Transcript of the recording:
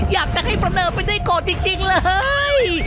อยากจะให้ประเดิมไปได้ก่อนจริงเลย